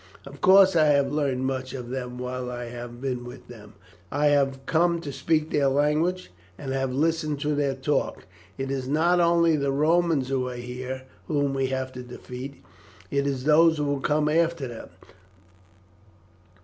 Of course I have learned much of them while I have been with them. I have come to speak their language, and have listened to their talk. It is not only the Romans who are here whom we have to defeat, it is those who will come after them.